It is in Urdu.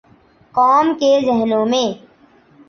قوم کے ذہنوں میں۔